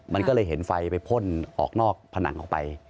มันก็เลยเห็นไฟไปพ่นออกนอกผนังออกไป